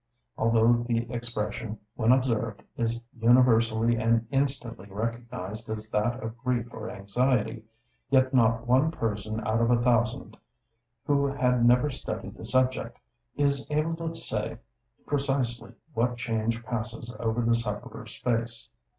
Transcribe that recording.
Although the expression, when observed, is universally and instantly recognized as that of grief or anxiety, yet not one person out of a thousand who has never studied the subject, is able to say precisely what change passes over the sufferer's face.